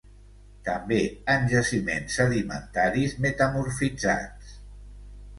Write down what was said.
També en jaciments sedimentaris metamorfitzats.